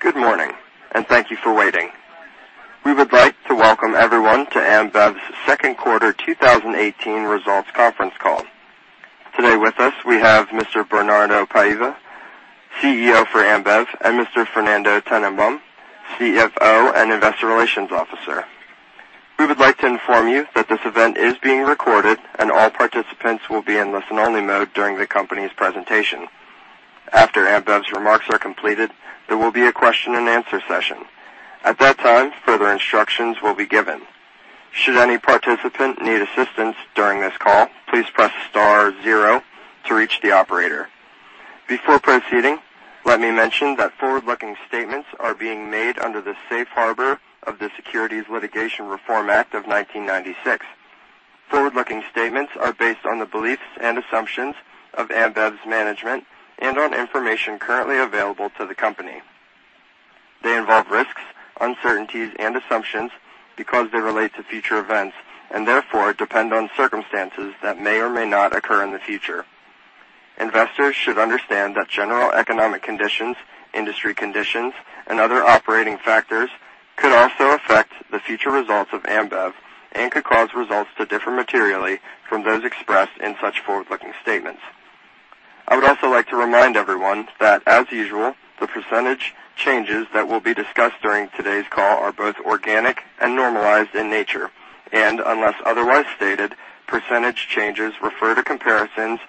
Good morning, and thank you for waiting. We would like to welcome everyone to Ambev's second quarter 2018 results conference call. Today with us we have Mr. Bernardo Paiva, CEO for Ambev, and Mr. Fernando Tennenbaum, CFO and Investor Relations Officer. We would like to inform you that this event is being recorded, and all participants will be in listen-only mode during the company's presentation. After Ambev's remarks are completed, there will be a question-and-answer session. At that time, further instructions will be given. Should any participant need assistance during this call, please press star zero to reach the operator. Before proceeding, let me mention that forward-looking statements are being made under the safe harbor of the Securities Litigation Reform Act of 1995. Forward-looking statements are based on the beliefs and assumptions of Ambev's management and on information currently available to the company. They involve risks, uncertainties and assumptions because they relate to future events, and therefore depend on circumstances that may or may not occur in the future. Investors should understand that general economic conditions, industry conditions, and other operating factors could also affect the future results of Ambev and could cause results to differ materially from those expressed in such forward-looking statements. I would also like to remind everyone that, as usual, the percentage changes that will be discussed during today's call are both organic and normalized in nature. Unless otherwise stated, percentage changes refer to comparisons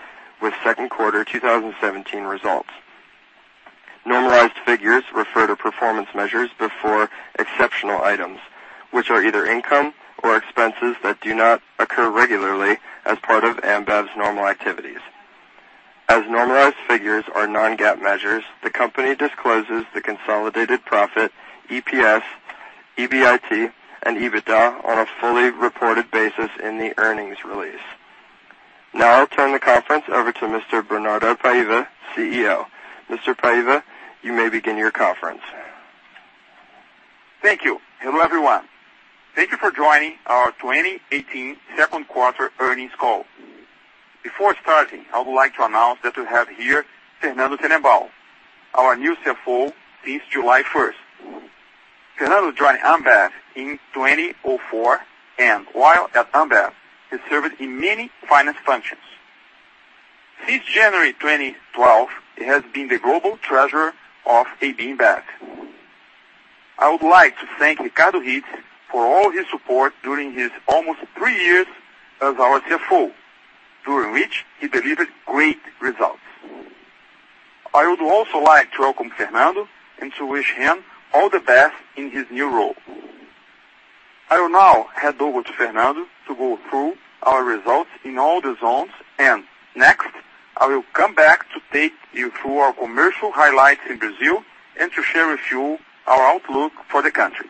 with second quarter 2017 results. Normalized figures refer to performance measures before exceptional items, which are either income or expenses that do not occur regularly as part of Ambev's normal activities. As normalized figures are non-GAAP measures, the company discloses the consolidated profit, EPS, EBIT, and EBITDA on a fully reported basis in the earnings release. Now I'll turn the conference over to Mr. Bernardo Paiva, CEO. Mr. Paiva, you may begin your conference. Thank you. Hello, everyone. Thank you for joining our 2018 second quarter earnings call. Before starting, I would like to announce that we have here Fernando Tennenbaum, our new CFO since July 1st. Fernando joined Ambev in 2004, and while at Ambev, he served in many finance functions. Since January 2012, he has been the Global Treasurer of Anheuser-Busch InBev. I would like to thank Ricardo Rittes for all his support during his almost three years as our CFO, during which he delivered great results. I would also like to welcome Fernando and to wish him all the best in his new role. I will now hand over to Fernando to go through our results in all the zones, and next, I will come back to take you through our commercial highlights in Brazil and to share with you our outlook for the country.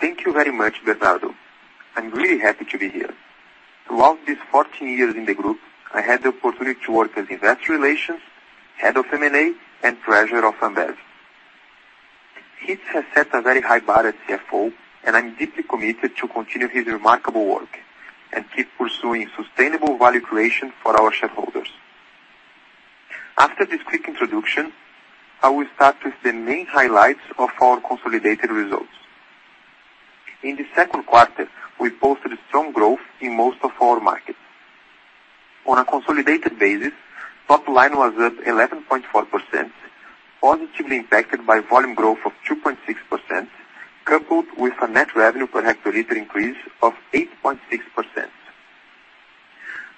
Thank you very much, Bernardo. I'm really happy to be here. Throughout these 14 years in the group, I had the opportunity to work as Investor Relations, Head of M&A, and Treasurer of Ambev. Rittes has set a very high bar as CFO, and I'm deeply committed to continue his remarkable work and keep pursuing sustainable value creation for our shareholders. After this quick introduction, I will start with the main highlights of our consolidated results. In the second quarter, we posted strong growth in most of our markets. On a consolidated basis, top line was up 11.4%, positively impacted by volume growth of 2.6%, coupled with a net revenue per hectoliter increase of 8.6%.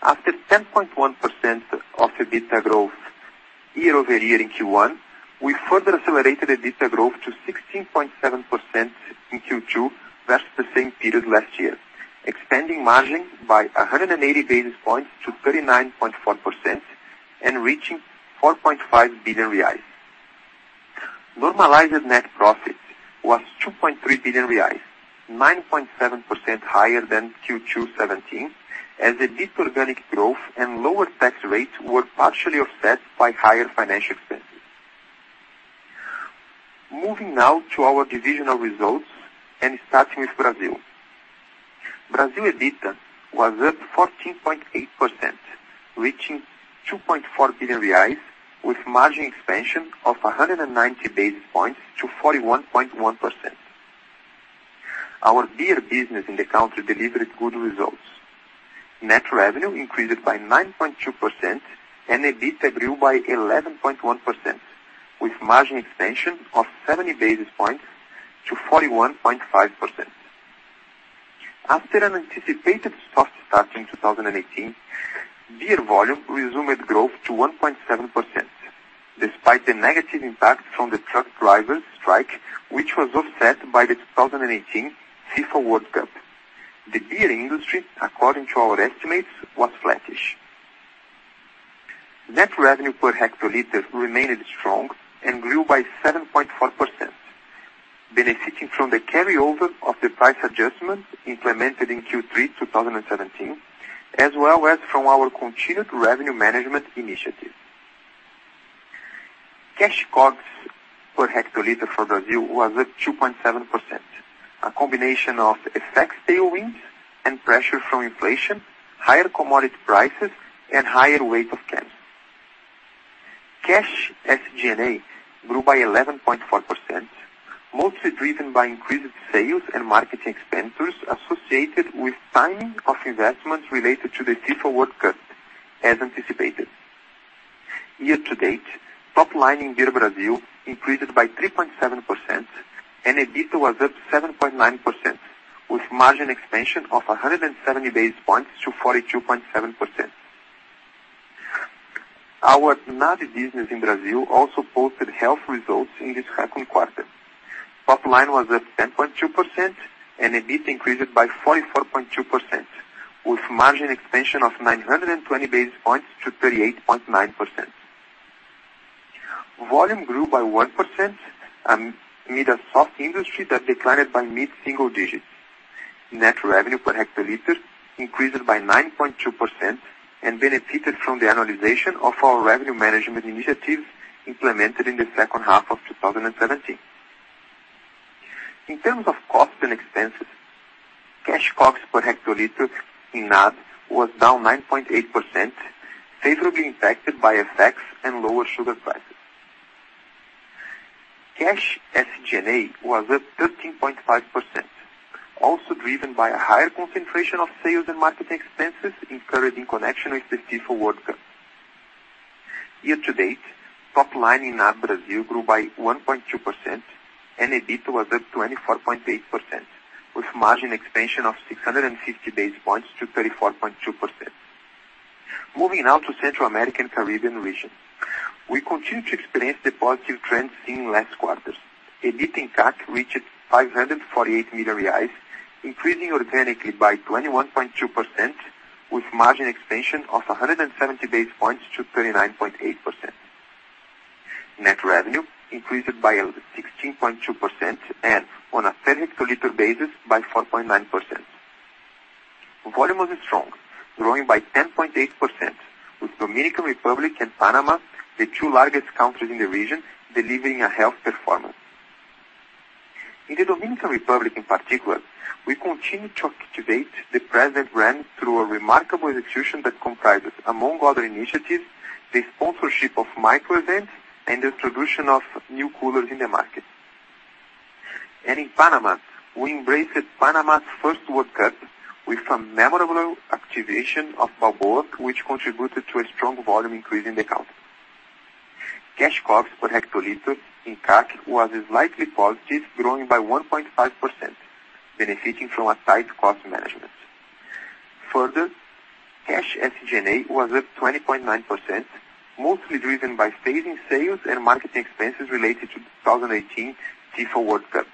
After 10.1% EBITDA growth year-over-year in Q1, we further accelerated EBITDA growth to 16.7% in Q2 versus the same period last year, expanding margin by 180 basis points to 39.4% and reaching 4.5 billion reais. Normalized net profit was 2.3 billion reais, 9.7% higher than Q2 2017, as the inorganic growth and lower tax rates were partially offset by higher financial expenses. Moving now to our divisional results and starting with Brazil. Brazil EBITDA was up 14.8%, reaching 2.4 billion reais with margin expansion of 190 basis points to 41.1%. Our beer business in the country delivered good results. Net revenue increased by 9.2% and EBITDA grew by 11.1%, with margin expansion of 70 basis points to 41.5%. After an anticipated soft start in 2018, beer volume resumed its growth to 1.7%, despite the negative impact from the truck drivers strike, which was offset by the 2018 FIFA World Cup. The beer industry, according to our estimates, was flattish. Net revenue per hectoliter remained strong and grew by 7.4%, benefiting from the carryover of the price adjustment implemented in Q3 2017, as well as from our continued revenue management initiatives. Cash COGS per hectoliter for Brazil was at 2.7%. A combination of FX tailwinds and pressure from inflation, higher commodity prices, and higher cost of cans. Cash SG&A grew by 11.4%, mostly driven by increased sales and marketing expenses associated with timing of investments related to the FIFA World Cup as anticipated. Year-to-date, top line in Beer Brazil increased by 3.7% and EBITDA was up 7.9% with margin expansion of 170 basis points to 42.7%. Our NAB business in Brazil also posted healthy results in this second quarter. Top line was at 10.2% and EBIT increased by 44.2% with margin expansion of 920 basis points to 38.9%. Volume grew by 1% amid a soft industry that declined by mid-single digits. Net revenue per hectoliter increased by 9.2% and benefited from the annualization of our revenue management initiatives implemented in the second half of 2017. In terms of cost and expenses, cash COGS per hectoliter in NAB was down 9.8%, favorably impacted by effects and lower sugar prices. Cash SG&A was up 13.5%, also driven by a higher concentration of sales and marketing expenses encouraged in connection with the FIFA World Cup. Year to date, top line in NAB Brazil grew by 1.2% and EBITDA was up 24.8% with margin expansion of 650 basis points to 34.2%. Moving now to Central America and Caribbean region. We continue to experience the positive trends seen last quarters. EBIT in CAC reached 548 million reais, increasing organically by 21.2% with margin expansion of 170 basis points to 39.8%. Net revenue increased by 16.2% and on a per hectoliter basis by 4.9%. Volume was strong, growing by 10.8% with Dominican Republic and Panama, the two largest countries in the region, delivering a healthy performance. In the Dominican Republic in particular, we continue to activate the Presidente brand through a remarkable execution that comprises, among other initiatives, the sponsorship of micro events and the introduction of new coolers in the market. In Panama, we embraced Panama's first World Cup with some memorable activation of Balboa, which contributed to a strong volume increase in the country. Cash COGS per hectoliter in CAC was slightly positive, growing by 1.5%, benefiting from a tight cost management. Further, cash SG&A was up 20.9%, mostly driven by phasing sales and marketing expenses related to the 2018 FIFA World Cup.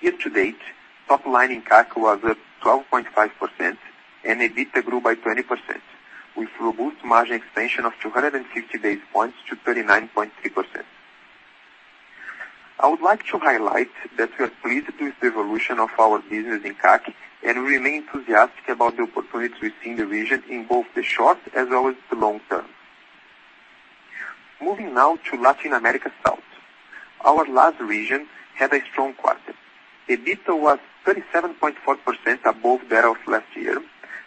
Year to date, top line in CAC was up 12.5% and EBITDA grew by 20% with robust margin expansion of 260 basis points to 39.3%. I would like to highlight that we are pleased with the evolution of our business in CAC and remain enthusiastic about the opportunities within the region in both the short as well as the long term. Moving now to Latin America South. Our last region had a strong quarter. EBITDA was 37.4% above that of last year,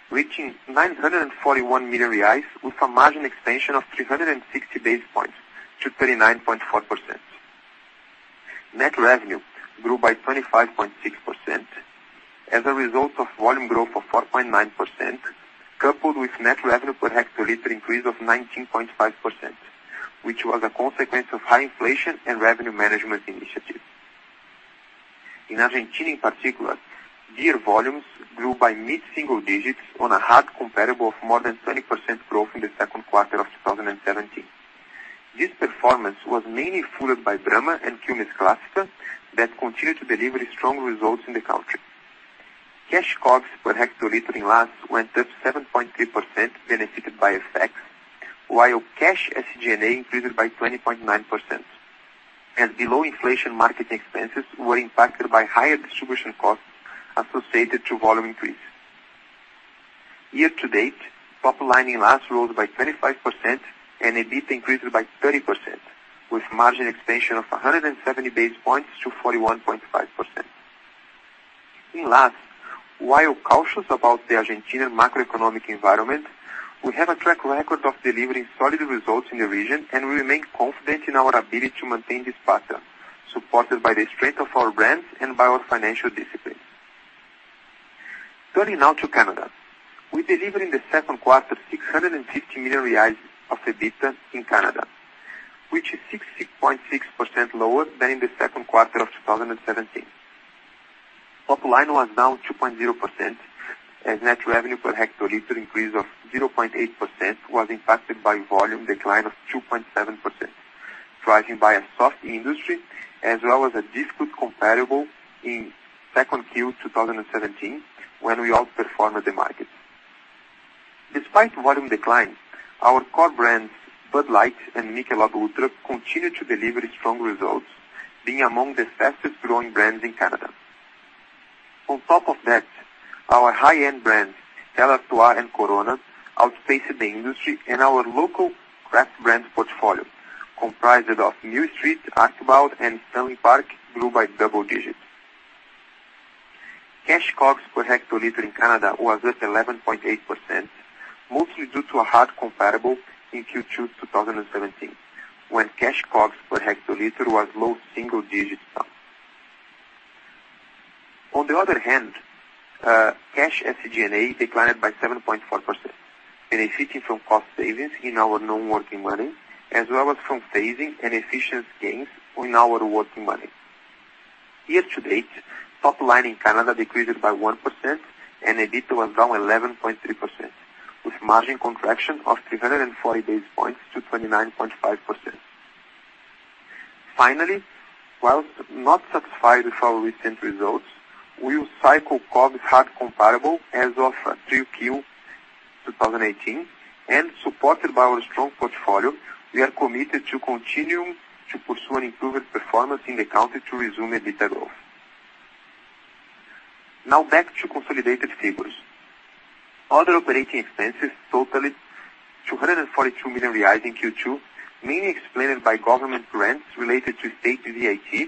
reaching 941 million reais with a margin expansion of 360 basis points to 39.4%. Net revenue grew by 25.6% as a result of volume growth of 4.9%, coupled with net revenue per hectoliter increase of 19.5%, which was a consequence of high inflation and revenue management initiatives. In Argentina, in particular, beer volumes grew by mid-single digits on a hard comparable of more than 20% growth in the second quarter of 2017. This performance was mainly fueled by Brahma and Quilmes Clásica that continued to deliver strong results in the country. Cash COGS per hectoliter in LAS went up 7.3% benefited by FX effects, while cash SG&A increased by 20.9%. As below inflation market expenses were impacted by higher distribution costs associated to volume increase. Year to date, top line in LAS rose by 25% and EBIT increased by 30% with margin expansion of 170 basis points to 41.5%. In LAS, while cautious about the Argentinian macroeconomic environment, we have a track record of delivering solid results in the region and we remain confident in our ability to maintain this pattern, supported by the strength of our brands and by our financial discipline. Turning now to Canada. We delivered in the second quarter 650 million reais of EBITDA in Canada, which is 60.6% lower than in the second quarter of 2017. Top line was down 2.0% as net revenue per hectoliter increase of 0.8% was impacted by volume decline of 2.7%, driven by a soft industry as well as a difficult comparable in Q2 2017 when we outperformed the market. Despite volume decline, our core brands Bud Light and Michelob ULTRA continued to deliver strong results, being among the fastest growing brands in Canada. On top of that, our high-end brands Stella Artois and Corona outpaced the industry, and our local craft brand portfolio, comprised of Mill Street, Archibald, and Stanley Park, grew by double digits. Cash COGS per hectoliter in Canada was up 11.8%, mostly due to a hard comparable in Q2 2017, when cash COGS per hectoliter was low single digits. On the other hand, cash FCGA declined by 7.4%, benefiting from cost savings in our non-working capital, as well as from saving and efficiency gains on our working capital. Year-to-date, top line in Canada decreased by 1% and EBITDA was down 11.3%, with margin contraction of 340 basis points to 29.5%. Finally, while not satisfied with our recent results, we will cycle COGS hard comparable as of 3Q 2018. Supported by our strong portfolio, we are committed to continuing to pursue an improved performance in the country to resume EBITDA growth. Now back to consolidated figures. Other operating expenses totaled 242 million reais in Q2, mainly explained by government grants related to state VAT,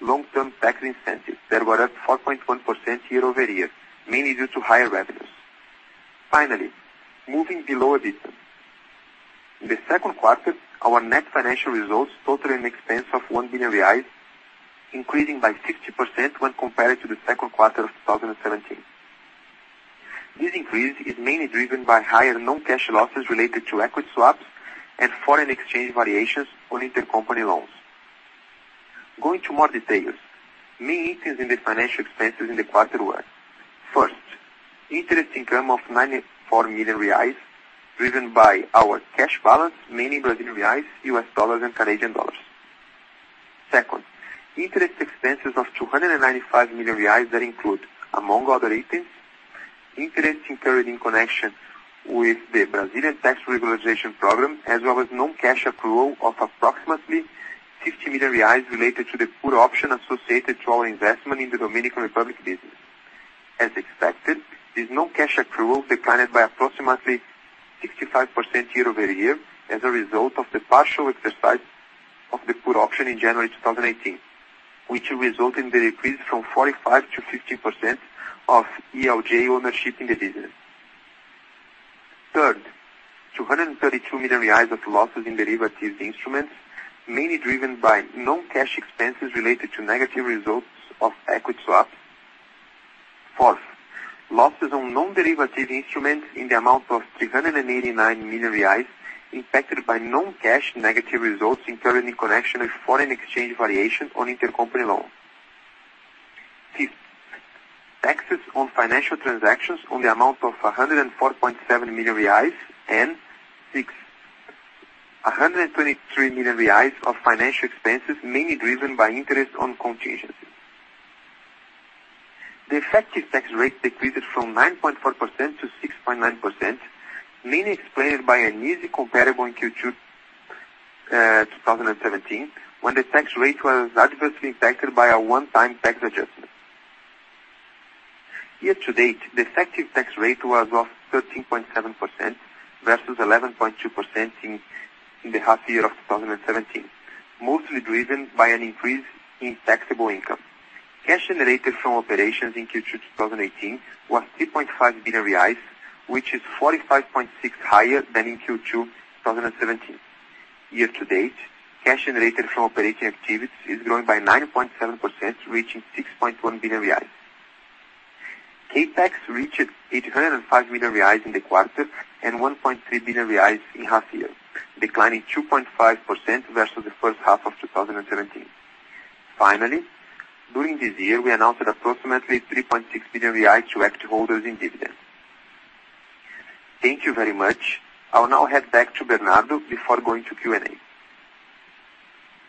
long-term tax incentives that were up 4.1% year-over-year, mainly due to higher revenues. Finally, moving below EBITDA. In the second quarter, our net financial results totaled an expense of 1 billion reais, increasing by 60% when compared to the second quarter of 2017. This increase is mainly driven by higher non-cash losses related to equity swaps and foreign exchange variations on intercompany loans. Going to more details. Main items in the financial expenses in the quarter were, first, interest income of 94 million reais, driven by our cash balance, mainly Brazilian reais, U.S. dollars, and Canadian dollars. Second, interest expenses of 295 million reais that include, among other items, interest incurred in connection with the Brazilian tax regularization program, as well as non-cash accrual of approximately 50 million reais related to the put option associated to our investment in the Dominican Republic business. As expected, this non-cash accrual declined by approximately 65% year-over-year as a result of the partial exercise of the put option in January 2018, which will result in the decrease from 45%-50% of ELJ ownership in the business. Third, 232 million reais of losses in derivatives instruments, mainly driven by non-cash expenses related to negative results of equity swap. Fourth, losses on non-derivative instruments in the amount of 389 million reais impacted by non-cash negative results incurred in connection with foreign exchange variation on intercompany loans. Fifth, taxes on financial transactions on the amount of 104.7 million reais. Six, 123 million reais of financial expenses, mainly driven by interest on contingencies. The effective tax rate decreased from 9.4% to 6.9%, mainly explained by an easy comparable in Q2 2017, when the tax rate was adversely impacted by a one-time tax adjustment. Year-to-date, the effective tax rate was 13.7% versus 11.2% in the half year of 2017, mostly driven by an increase in taxable income. Cash generated from operations in Q2 2018 was 3.5 billion reais, which is 45.6% higher than in Q2 2017. Year-to-date, cash generated from operating activities is growing by 9.7%, reaching 6.1 billion reais. CapEx reached 805 million reais in the quarter and 1.3 billion reais in half year, declining 2.5% versus the first half of 2017. Finally, during this year, we announced approximately 3.6 billion reais to active holders in dividends. Thank you very much. I'll now hand back to Bernardo before going to Q&A.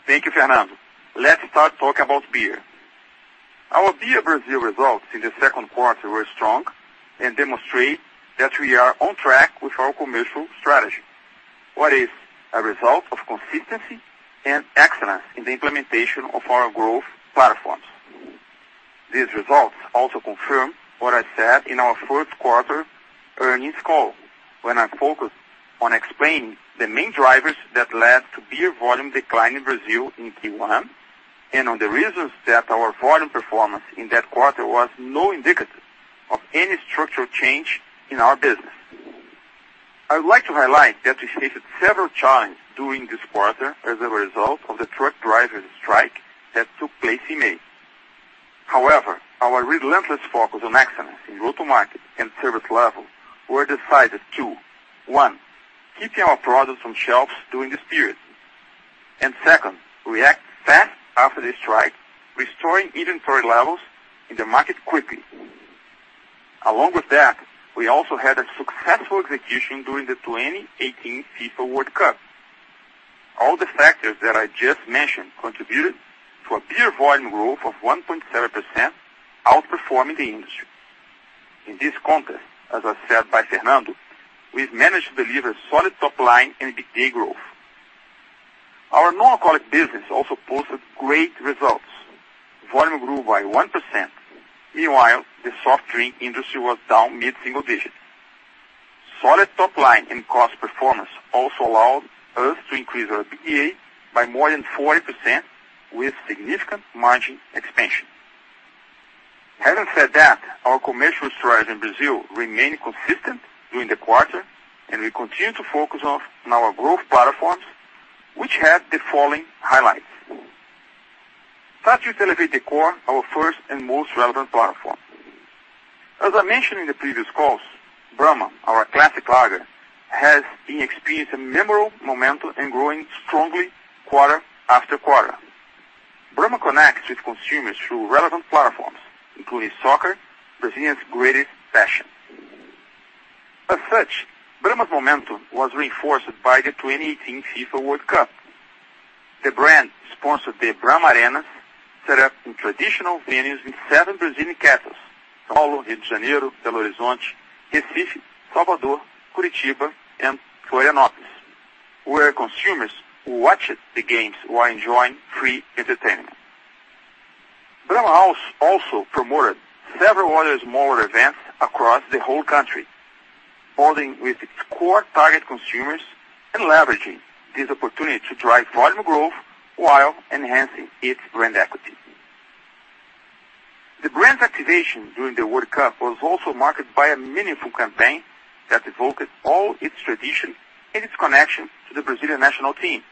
Thank you, Fernando. Let's start talking about beer. Our Beer Brazil results in the second quarter were strong and demonstrate that we are on track with our commercial strategy. What is a result of consistency and excellence in the implementation of our growth platforms. These results also confirm what I said in our fourth quarter earnings call when I focused on explaining the main drivers that led to beer volume decline in Brazil in Q1 and on the reasons that our volume performance in that quarter was not indicative of any structural change in our business. I would like to highlight that we faced several challenges during this quarter as a result of the truck drivers' strike that took place in May. However, our relentless focus on excellence in go-to-market and service levels were decisive to, one, keeping our products on shelves during this period. Second, react fast after the strike, restoring inventory levels in the market quickly. Along with that, we also had a successful execution during the 2018 FIFA World Cup. All the factors that I just mentioned contributed to a beer volume growth of 1.7%, outperforming the industry. In this context, as was said by Fernando, we've managed to deliver solid top line and EBITDA growth. Our non-alcoholic business also posted great results. Volume grew by 1%. Meanwhile, the soft drink industry was down mid-single digits. Solid top line and cost performance also allowed us to increase our EBITDA by more than 40% with significant margin expansion. Having said that, our commercial strategy in Brazil remained consistent during the quarter, and we continue to focus on our growth platforms, which have the following highlights. Starting with Elevate the Core, our first and most relevant platform. As I mentioned in the previous calls, Brahma, our classic lager, has been experiencing memorable momentum and growing strongly quarter after quarter. Brahma connects with consumers through relevant platforms, including soccer, Brazilians' greatest passion. As such, Brahma's momentum was reinforced by the 2018 FIFA World Cup. The brand sponsored the Arena Brahma, set up in traditional venues in seven Brazilian cities, São Paulo, Rio de Janeiro, Belo Horizonte, Recife, Salvador, Curitiba, and Florianópolis, where consumers watched the games while enjoying free entertainment. Brahma also promoted several other smaller events across the whole country, bonding with its core target consumers and leveraging this opportunity to drive volume growth while enhancing its brand equity. The brand's activation during the World Cup was also marked by a meaningful campaign that evoked all its tradition and its connection to the Brazilian national team,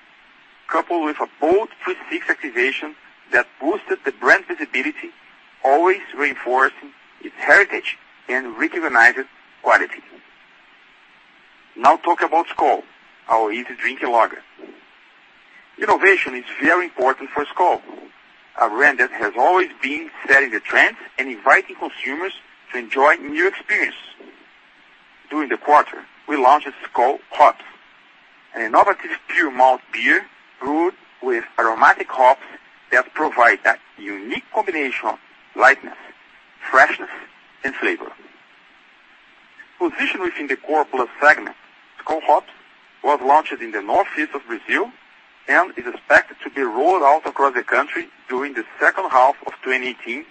coupled with a bold 360 activation that boosted the brand visibility, always reinforcing its heritage and recognized quality. Now talk about Skol, our easy drinking lager. Innovation is very important for Skol, a brand that has always been setting the trends and inviting consumers to enjoy new experiences. During the quarter, we launched Skol Hops, an innovative pure malt beer brewed with aromatic hops that provide that unique combination of lightness, freshness, and flavor. Positioned within the Core Plus segment, Skol Hops was launched in the northeast of Brazil and is expected to be rolled out across the country during the second half of 2018,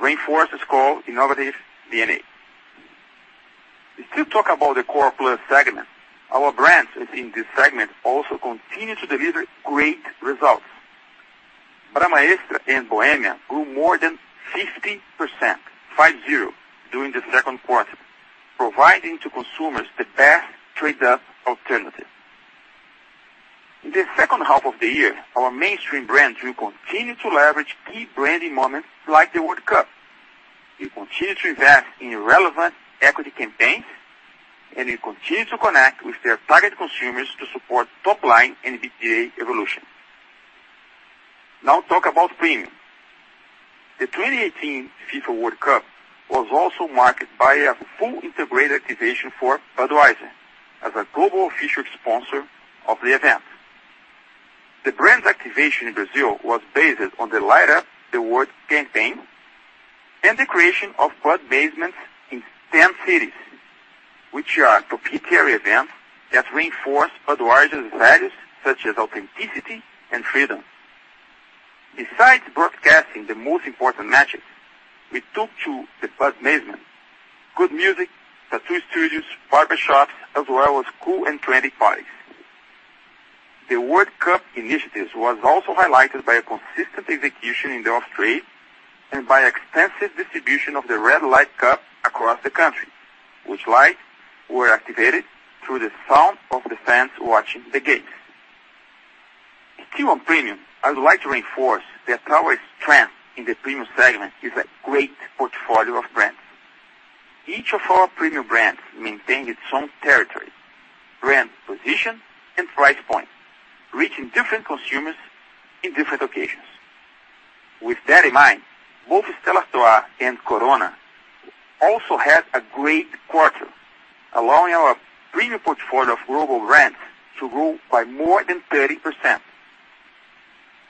reinforce Skol innovative DNA. To still talk about the Core Plus segment, our brands within this segment also continue to deliver great results. Brahma Extra and Bohemia grew more than 50% during the second quarter, providing consumers the best trade-up alternative. In the second half of the year our mainstream brands will continue to leverage key branding moments like the World Cup. We continue to invest in relevant equity campaigns, and we continue to connect with their target consumers to support top line and EBITDA evolution. Now talk about premium. The 2018 FIFA World Cup was also marked by a fully integrated activation for Budweiser as a global official sponsor of the event. The brand's activation in Brazil was based on the Light Up the World campaign and the creation of Bud Basements in 10 cities, which are proprietary events that reinforce Budweiser's values such as authenticity and freedom. Besides broadcasting the most important matches, we took to the Bud Basements, good music, tattoo studios, barber shops, as well as cool and trendy parties. The World Cup initiatives was also highlighted by a consistent execution in the off trade and by extensive distribution of the Red Light Cup across the country, which lights were activated through the sound of the fans watching the games. Still on premium, I would like to reinforce that our strength in the premium segment is a great portfolio of brands. Each of our premium brands maintain its own territory, brand position and price point, reaching different consumers in different occasions. With that in mind, both Stella Artois and Corona also had a great quarter, allowing our premium portfolio of global brands to grow by more than 30%.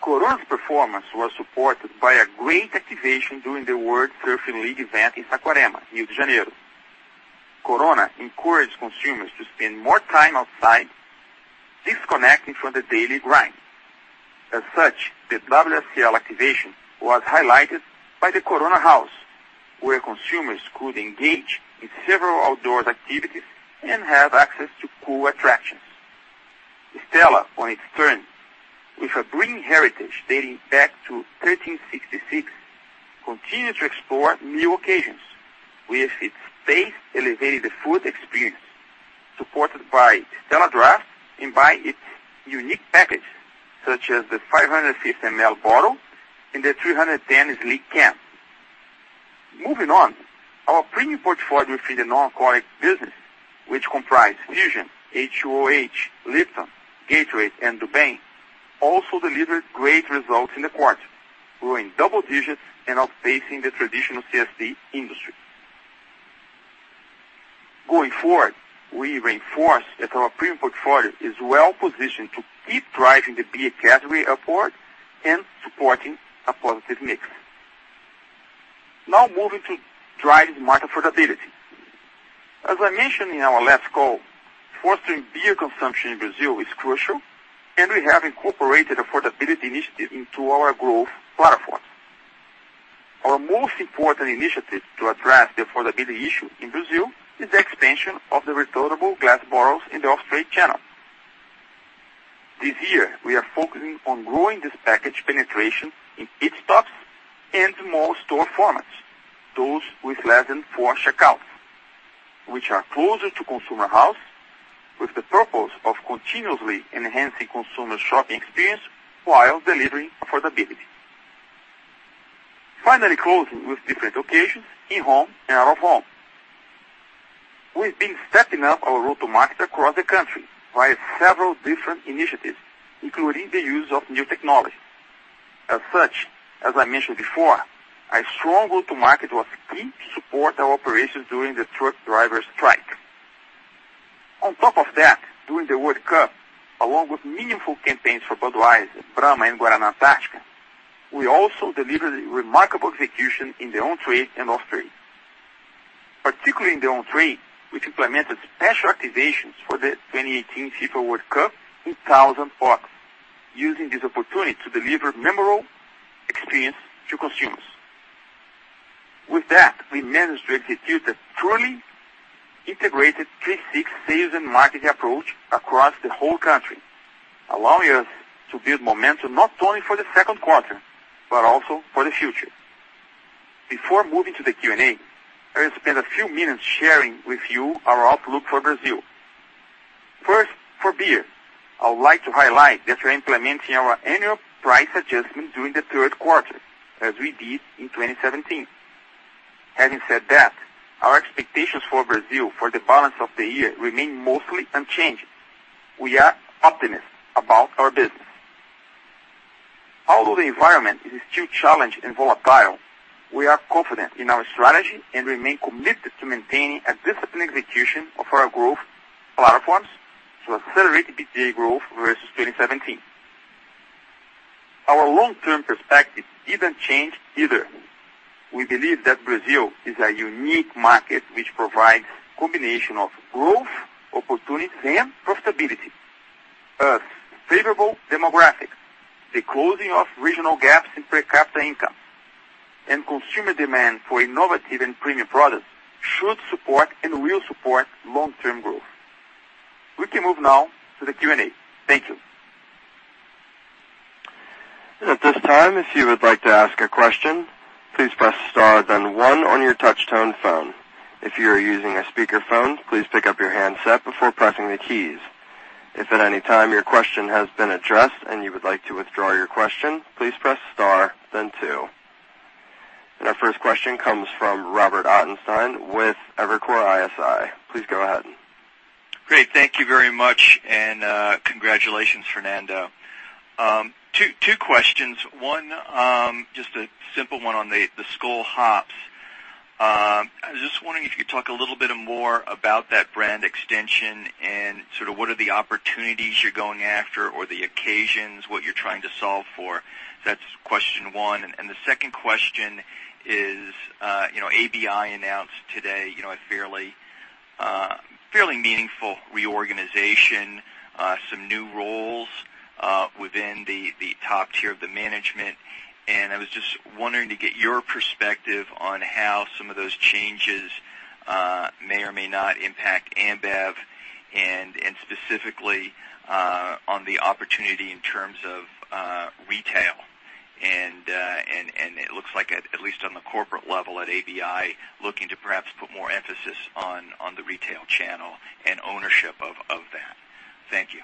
Corona's performance was supported by a great activation during the World Surf League event in Saquarema, Rio de Janeiro. Corona encouraged consumers to spend more time outside, disconnecting from the daily grind. As such, the WSL activation was highlighted by the Corona House, where consumers could engage in several outdoor activities and have access to cool attractions. Stella, on its turn, with a brewing heritage dating back to 1366, continued to explore new occasions with its taste elevating the food experience, supported by Stella draft and by its unique package, such as the 550 ml bottle and the 310 sleek can. Moving on, our premium portfolio for the non-alcoholic business, which comprise Fusion, H2OH, Lipton, Gatorade, and do Bem, also delivered great results in the quarter, growing double digits and outpacing the traditional CSD industry. Going forward, we reinforce that our premium portfolio is well-positioned to keep driving the beer category upward and supporting a positive mix. Now moving to driving market affordability. As I mentioned in our last call, fostering beer consumption in Brazil is crucial, and we have incorporated affordability initiative into our growth platform. Our most important initiative to address the affordability issue in Brazil is the expansion of the returnable glass bottles in the off-trade channel. This year, we are focusing on growing this package penetration in pit stops and small store formats, those with less than four checkouts, which are closer to consumers' houses with the purpose of continuously enhancing consumer shopping experience while delivering affordability. Finally closing with different occasions in home and out of home. We've been stepping up our go-to-market across the country via several different initiatives, including the use of new technologies. As such, as I mentioned before, a strong go-to-market was key to support our operations during the truck driver strike. On top of that, during the World Cup, along with meaningful campaigns for Budweiser, Brahma, and Guaraná Antarctica, we also delivered remarkable execution in the on-trade and off-trade. Particularly in the on-trade, we implemented special activations for the 2018 FIFA World Cup in 1,000 parks using this opportunity to deliver memorable experience to consumers. With that, we managed to execute a truly integrated 360 sales and marketing approach across the whole country, allowing us to build momentum not only for the second quarter but also for the future. Before moving to the Q&A, I will spend a few minutes sharing with you our outlook for Brazil. First, for beer, I would like to highlight that we are implementing our annual price adjustment during the third quarter, as we did in 2017. Having said that, our expectations for Brazil for the balance of the year remain mostly unchanged. We are optimistic about our business. Although the environment is still challenged and volatile, we are confident in our strategy and remain committed to maintaining a disciplined execution of our growth platforms to accelerate the BPA growth versus 2017. Our long-term perspective didn't change either. We believe that Brazil is a unique market which provides a combination of growth, opportunities and profitability. Such as favorable demographics, the closing of regional gaps in per capita income and consumer demand for innovative and premium products should support and will support long-term growth. We can move now to the Q&A. Thank you. At this time, if you would like to ask a question, please press star then one on your touch tone phone. If you are using a speaker phone, please pick up your handset before pressing the keys. If at any time your question has been addressed and you would like to withdraw your question, please press star then two. Our first question comes from Robert Ottenstein with Evercore ISI. Please go ahead. Great. Thank you very much, and, congratulations, Fernando. Two questions. One, just a simple one on the Skol Hops. I was just wondering if you could talk a little bit more about that brand extension and sort of what are the opportunities you're going after or the occasions, what you're trying to solve for. That's question one. The second question is, you know, ABI announced today, you know, a fairly meaningful reorganization, some new roles, within the top tier of the management. I was just wondering to get your perspective on how some of those changes may or may not impact Ambev and specifically, on the opportunity in terms of retail. It looks like at least on the corporate level at ABI, looking to perhaps put more emphasis on the retail channel and ownership of that. Thank you.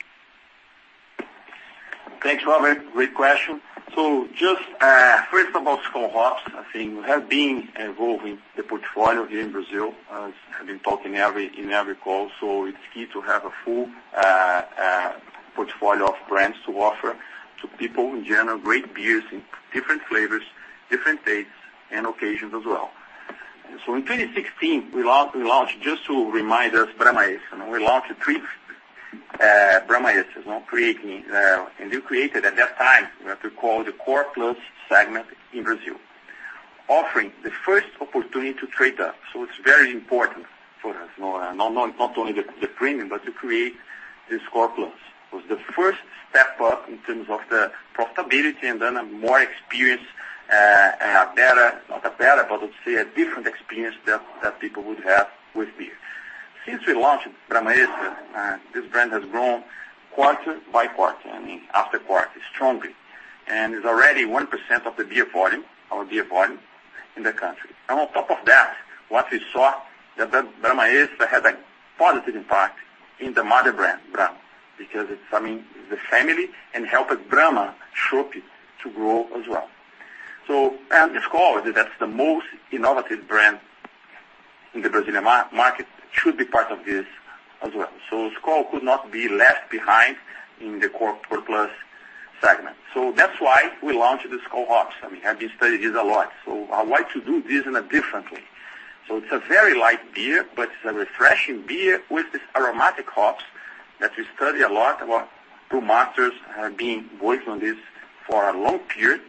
Thanks, Robert. Great question. Just first of all, Skol Hops, I think we have been involving the portfolio here in Brazil, as I've been talking in every call. It's key to have a full portfolio of brands to offer to people in general, great beers in different flavors, different tastes and occasions as well. In 2016, we launched, just to remind us, Brahma Extra. We launched three Brahma Extra, you know, creating and we created at that time, we have to call the core plus segment in Brazil, offering the first opportunity to trade up. It's very important for us, you know, not only the premium, but to create this core plus. It was the first step up in terms of the profitability and then a more experience, but let's say a different experience that people would have with beer. Since we launched Brahma Extra, this brand has grown quarter by quarter, I mean, after quarter strongly, and is already 1% of the beer volume, our beer volume in the country. On top of that, what we saw that the Brahma Extra has a positive impact in the mother brand, Brahma, because it's coming the family and helped Brahma Chopp to grow as well. Skol, that's the most innovative brand in the Brazilian market should be part of this as well. Skol could not be left behind in the core plus segment. That's why we launched the Skol Hops. I mean, I've been studying this a lot. I want to do this in a different way. It's a very light beer, but it's a refreshing beer with this aromatic hops that we study a lot about. Brewmasters have been working on this for a long period.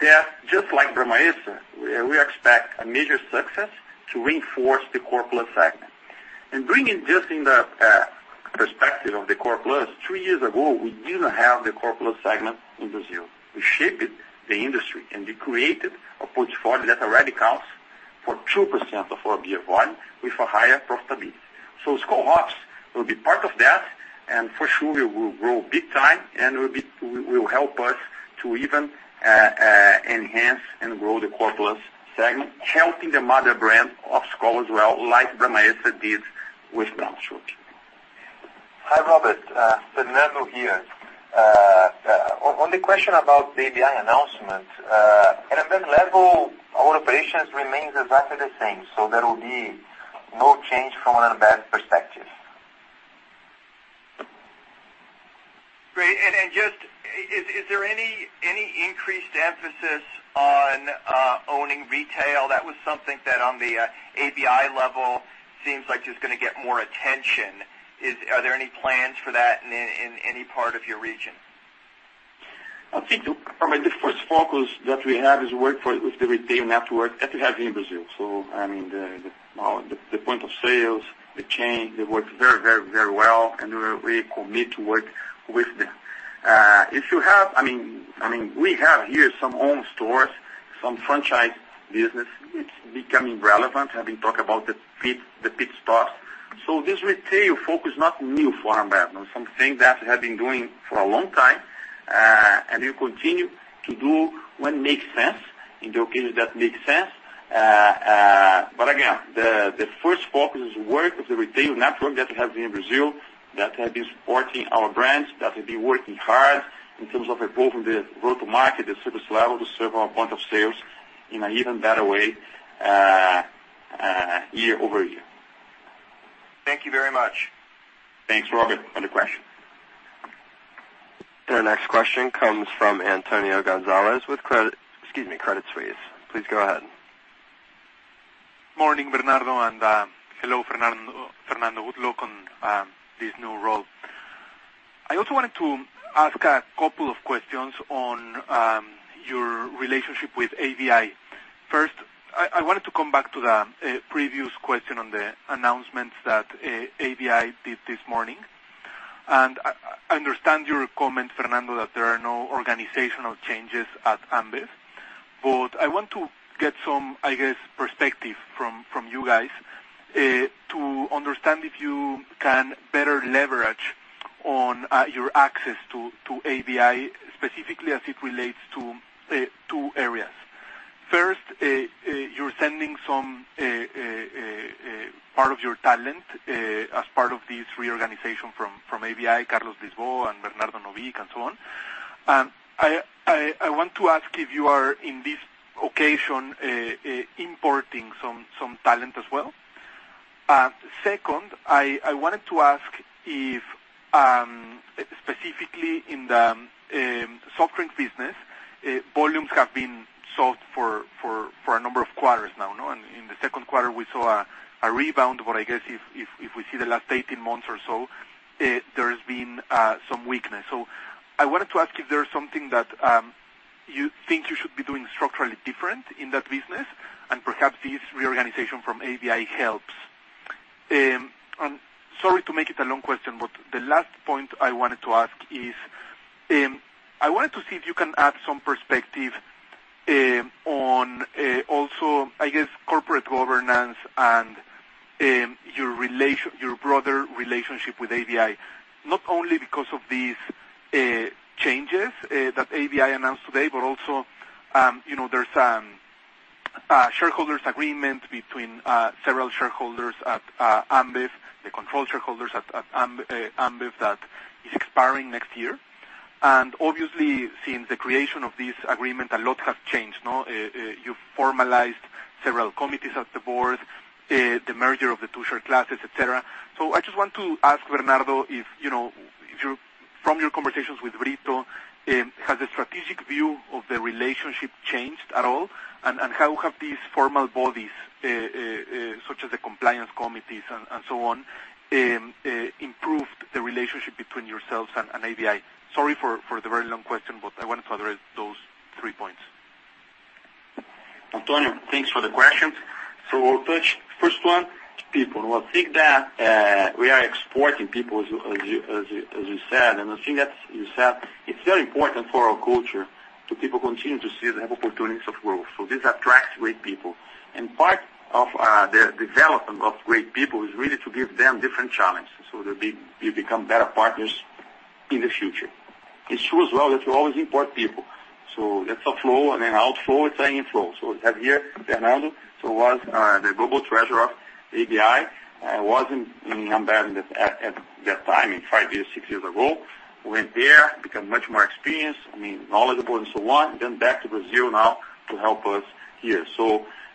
That, just like Brahma Extra, we expect a major success to reinforce the Core Plus segment. Bringing just in the perspective of the Core Plus, three years ago, we didn't have the Core Plus segment in Brazil. We shaped the industry, and we created a portfolio that already accounts for 2% of our beer volume with a higher profitability. Skol Hops will be part of that, and for sure, we will grow big time, and we will help us to even enhance and grow the Core Plus segment, helping the mother brand of Skol as well, like Brahma Extra did with Brahma Chopp. Hi, Robert. Fernando here. On the question about the ABI announcement, at a certain level, our operations remains exactly the same, so there will be no change from an Ambev perspective. Great. Is there any increased emphasis on owning retail? That was something that on the ABI level seems like is gonna get more attention. Are there any plans for that in any part of your region? I think, Robert, the first focus that we have is work with the retail network that we have in Brazil. The point of sales, the chain, they work very well, and we commit to work with them. We have here some own stores, some franchise business. It's becoming relevant, having talked about the pit stops. This retail focus is not new for Ambev. It's something that we have been doing for a long time, and we continue to do when makes sense, in the occasion that makes sense. The first focus is work with the retail network that we have in Brazil that have been supporting our brands, that have been working hard in terms of improving the go-to-market, the service level to serve our point of sales in an even better way, year-over-year. Thank you very much. Thanks, Robert, for the question. The next question comes from Antonio Gonzalez with Credit Suisse. Please go ahead. Morning, Bernardo, and hello, Fernando. Good luck on this new role. I also wanted to ask a couple of questions on your relationship with ABI. First, I wanted to come back to the previous question on the announcements that ABI did this morning. I understand your comment, Fernando, that there are no organizational changes at Ambev. I want to get some, I guess, perspective from you guys to understand if you can better leverage on your access to ABI, specifically as it relates to two areas. First, you're sending some part of your talent as part of this reorganization from ABI, Carlos Lisboa and Bernardo Novick and so on. I want to ask if you are, in this occasion, importing some talent as well. Second, I wanted to ask if, specifically in the soft drinks business, volumes have been soft for a number of quarters now, no? In the second quarter, we saw a rebound, but I guess if we see the last 18 months or so, there's been some weakness. I wanted to ask if there is something that you think you should be doing structurally different in that business, and perhaps this reorganization from ABI helps. I'm sorry to make it a long question, but the last point I wanted to ask is, I wanted to see if you can add some perspective on also, I guess, corporate governance and your broader relationship with ABI, not only because of these changes that ABI announced today, but also, you know, there's a shareholders' agreement between several shareholders at Ambev, the controlling shareholders at Ambev that is expiring next year. Obviously, since the creation of this agreement, a lot has changed, no? You formalized several committees at the board, the merger of the two share classes, et cetera. I just want to ask Bernardo if, you know, from your conversations with Brito, has the strategic view of the relationship changed at all? How have these formal bodies, such as the compliance committees and so on, improved the relationship between yourselves and ABI? Sorry for the very long question, but I wanted to address those three points. Antonio Gonzalez, thanks for the questions. I'll touch first one, people. I think that we are exporting people as you said. I think that you said it's very important for our culture to people continue to see they have opportunities of growth. This attracts great people. Part of the development of great people is really to give them different challenges, so they become better partners in the future. It's true as well that you always import people. That's a flow. I mean, outflow, it's an inflow. We have here Fernando Tennenbaum, who was the global treasurer of ABI, who wasn't in Ambev at that time, five years, six years ago. Went there, became much more experienced, I mean, knowledgeable and so on, then back to Brazil now to help us here.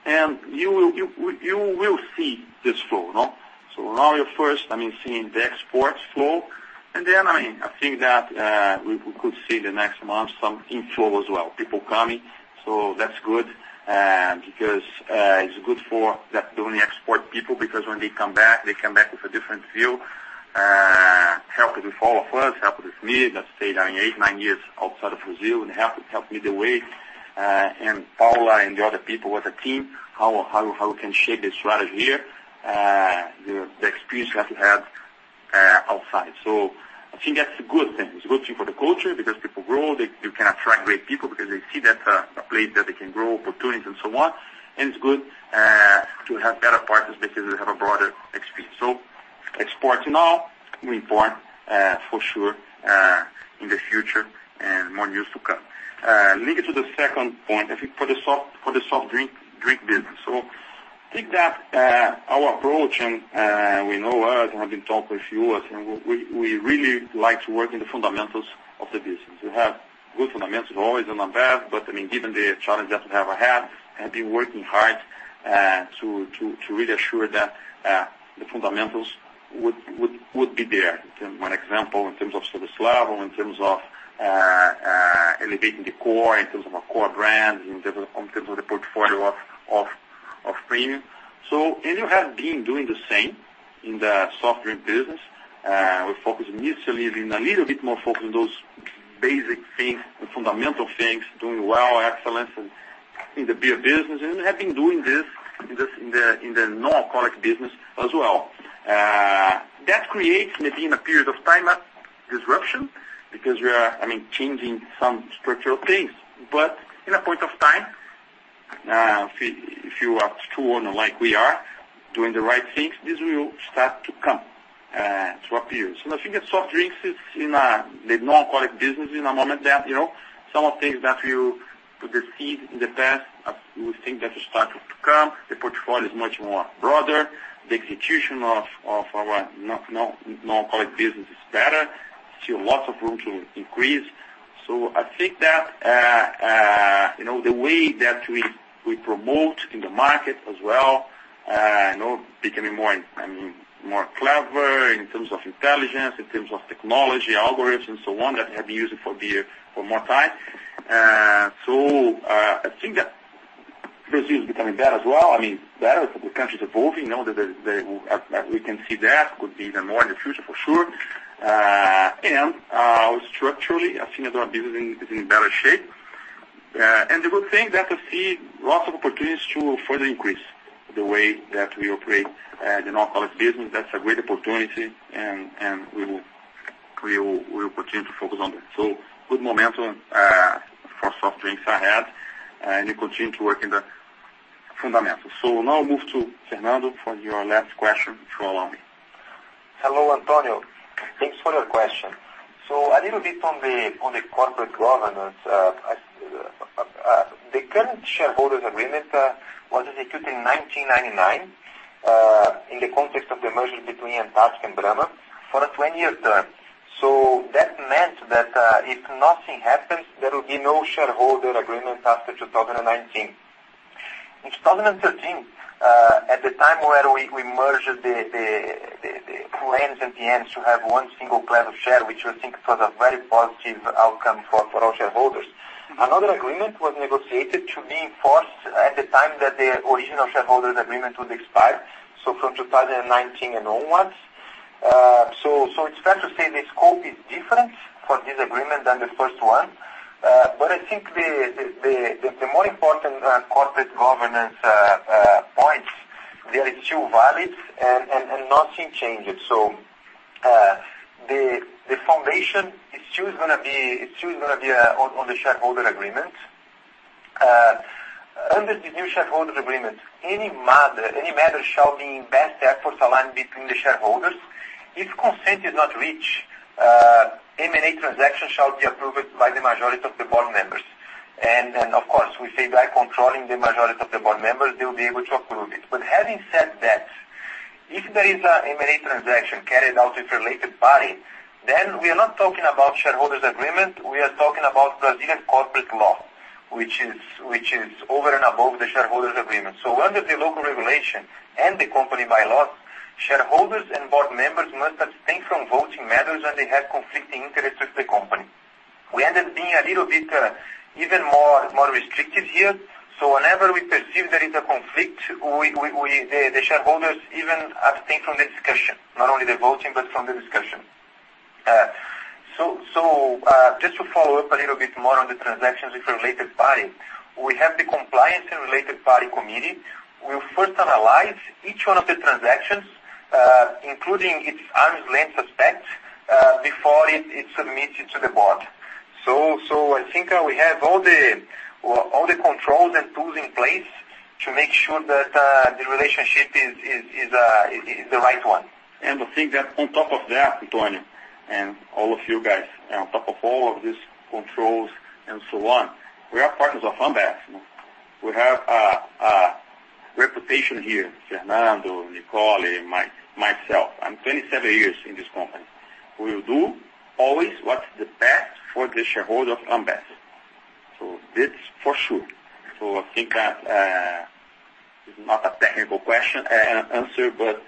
You will see this flow, no? Now you're first, I mean, seeing the export flow. Then, I mean, I think that we could see next month some inflow as well, people coming. That's good, because it's good not only for export people, because when they come back, they come back with a different view, helping all of us, helping me. Let's say that eight, nine years outside of Brazil, and help me the way, and Paula and the other people with the team, how we can shape the strategy here. The experience you have to have outside. I think that's a good thing. It's a good thing for the culture because people grow. You can attract great people because they see that a place that they can grow, opportunities and so on. It's good to have better partners because they have a broader experience. Export now, we import, for sure, in the future, and more news to come. Linked to the second point, I think for the soft drink business. I think that our approach and we know us, and I've been talking with you, I think we really like to work in the fundamentals of the business. We have good fundamentals always and not bad. I mean, given the challenge that we have ahead, have been working hard to really assure that the fundamentals would be there. One example in terms of service level, in terms of elevating the core, in terms of our core brands, in terms of the portfolio of premium. You have been doing the same in the soft drink business. We focus initially being a little bit more focused on those basic things and fundamental things, doing well, excellence in the beer business. We have been doing this in the non-alcoholic business as well. That creates maybe in a period of time a disruption because we are, I mean, changing some structural things. In a point of time, if you are true and like we are doing the right things, this will start to come to appear. I think that soft drinks is in the non-alcoholic business in a moment that, you know, some of the things that you put the seed in the past, I think that start to come. The portfolio is much broader. The execution of our non-alcoholic business is better. Still lots of room to increase. I think that, you know, the way that we promote in the market as well, you know, becoming more, I mean, more clever in terms of intelligence, in terms of technology, algorithms and so on that have been used for beer for more time. I think that this is becoming better as well. I mean, better, the country is evolving. You know, we can see there could be even more in the future for sure. Structurally, I think that our business is in better shape. The good thing that we see lots of opportunities to further increase the way that we operate, the non-alcoholic business. That's a great opportunity and we will continue to focus on that. Good momentum for soft drinks ahead, and we continue to work in the fundamentals. Now move to Fernando for your last question, if you allow me. Hello, Antonio. Thanks for your question. A little bit on the corporate governance. The current shareholders' agreement was executed in 1999 in the context of the merger between Ambev and Brahma for a 20-year term. That meant that if nothing happens, there will be no shareholder agreement after 2019. In 2013, at the time where we merged the brands and the assets to have one single class of share, which I think was a very positive outcome for all shareholders. Another agreement was negotiated to be enforced at the time that the original shareholders' agreement would expire, from 2019 and onwards. It's fair to say the scope is different for this agreement than the first one. I think the more important corporate governance points, they are still valid and nothing changes. The foundation is still gonna be on the shareholder agreement. Under the new shareholder agreement, any matter shall be in best efforts aligned between the shareholders. If consent is not reached, M&A transaction shall be approved by the majority of the board members. Of course, we say by controlling the majority of the board members, they will be able to approve it. Having said that, if there is a M&A transaction carried out with related party, then we are not talking about shareholders agreement. We are talking about Brazilian corporate law, which is over and above the shareholders agreement. Under the local regulation and the company bylaws, shareholders and board members must abstain from voting matters when they have conflicting interests with the company. We end up being a little bit even more restrictive here. Whenever we perceive there is a conflict, the shareholders even abstain from the discussion, not only the voting, but from the discussion. Just to follow up a little bit more on the transactions with related party. We have the compliance and related party committee. We first analyze each one of the transactions, including its arm's length aspect, before it's submitted to the board. I think we have all the controls and tools in place to make sure that the relationship is the right one. I think that on top of that, Antonio, and all of you guys, on top of all of these controls and so on, we are partners of Ambev. We have a reputation here, Fernando, Nicole, myself, I'm 27 years in this company. We will do always what's the best for the shareholder of Ambev. This for sure. I think that it's not a technical question answer, but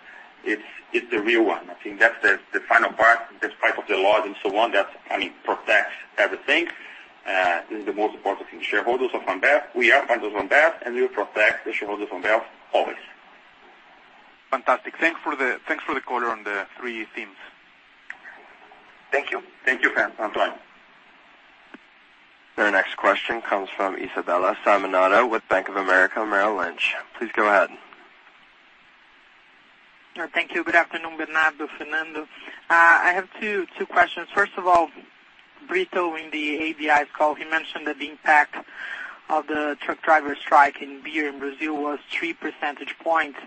it's the real one. I think that's the final part, despite of the laws and so on, that I mean protects everything. This is the most important thing. Shareholders of Ambev. We are founders of Ambev, and we will protect the shareholders of Ambev always. Fantastic. Thanks for the color on the three themes. Thank you. Thank you, Antonio. The next question comes from Isabella Simonato with Bank of America Merrill Lynch. Please go ahead. Thank you. Good afternoon, Bernardo, Fernando. I have two questions. First of all, Brito in the ABI call, he mentioned that the impact of the truck driver strike in beer in Brazil was 3 percentage points.